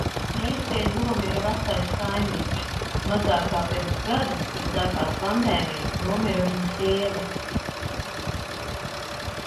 Trešdien nomira vecais kaimiņš. Mazāk kā pirms gada, kad sākās pandēmija, nomira viņa sieva.